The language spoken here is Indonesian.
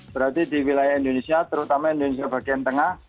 berarti di wilayah indonesia terutama indonesia bagian tengah